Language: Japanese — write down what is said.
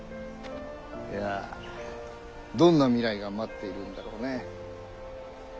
いやどんな未来が待っているんだろうね？